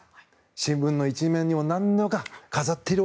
新聞の１面も何度か飾っている。